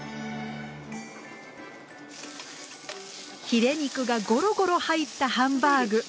ヒレ肉がゴロゴロ入ったハンバーグ。